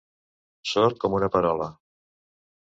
Sord com una perola.